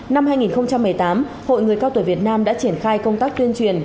năm hai nghìn một mươi tám hội người cao tuổi việt nam đã triển khai công tác tuyên truyền